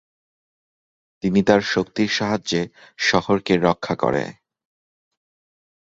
তিনি তার শক্তির সাহায্যে শহর কে রক্ষা করে।